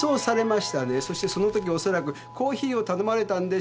そしてそのときおそらくコーヒーを頼まれたんでしょう。